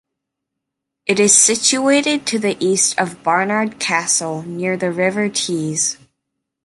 It is situated to the east of Barnard Castle near the River Tees.